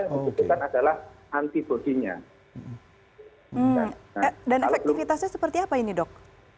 untuk kita adalah antibodinya dan efektivitasnya seperti apa ini dok